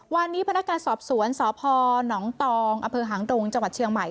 วันนี้พนักงานสอบสวนสพหนองตองอำเภอหางดงจังหวัดเชียงใหม่